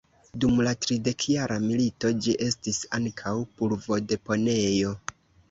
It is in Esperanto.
Dum la Tridekjara milito ĝi estis ankaŭ pulvodeponejo.